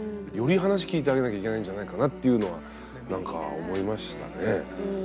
より話聞いてあげなきゃいけないんじゃないかなっていうのはなんか思いましたね。